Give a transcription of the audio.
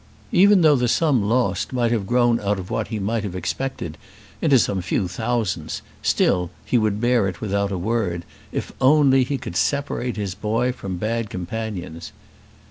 Even though the sum lost might have grown out of what he might have expected into some few thousands, still he would bear it without a word, if only he could separate his boy from bad companions.